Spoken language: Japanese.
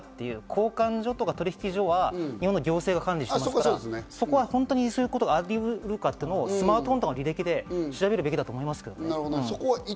交換所とか取引所は日本の行政が管理していますから、本当にそういうことがありうるか、スマートフォンの履歴とかで調べるべきだと思います。